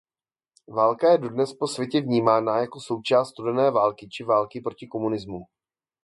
Válka je dodnes po světě vnímána jako součást studené války či války proti komunismu.